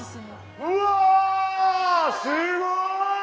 うわすごい！